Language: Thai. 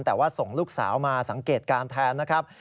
แต่ว่าส่งลูกสาวมาสังเกตการณ์แทนนะครับ